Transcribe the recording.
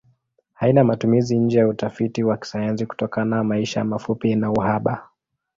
Haina matumizi nje ya utafiti wa kisayansi kutokana maisha mafupi na uhaba.